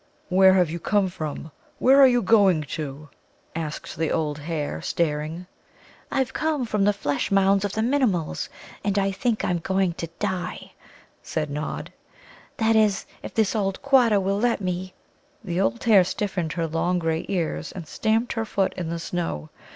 "Where have you come from? Where are you going to?" asked the old hare, staring. "I've come from the Flesh mounds of the Minimuls, and I think I'm going to die," said Nod "that is, if this old Quatta will let me." The old hare stiffened her long grey ears, and stamped her foot in the snow.